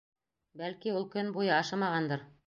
Бәлки, ул көн буйы ашамағандыр!